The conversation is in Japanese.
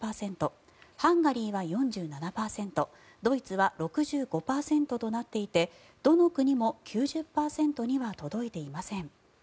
ハンガリーは４７％ドイツは６５％となっていてどの国も９０％には届いていません。